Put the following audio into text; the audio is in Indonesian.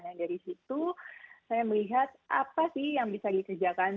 dan dari situ saya melihat apa sih yang bisa diterjakan